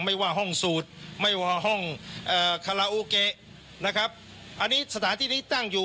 ไม่ว่าห้องสูตรไม่ว่าห้องคาราโอเกะนะครับอันนี้สถานที่นี้ตั้งอยู่